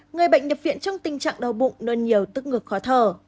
người bệnh đập viện trong tình trạng đau bụng nôn nhiều tức ngược khó thở